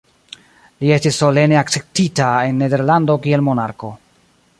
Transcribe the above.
Li estis solene akceptita en Nederlando kiel monarko.